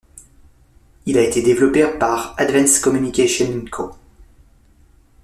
Il a été développé par Advance Communication Co.